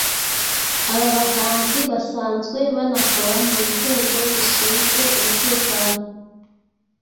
Aba bahanzi basanzwe banakora mu nzego zishinzwe umutekano